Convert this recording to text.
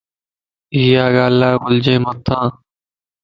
ايا ڳالھ بلجي متان